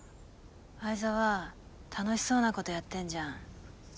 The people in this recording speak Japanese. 愛沢楽しそうなことやってんじゃん。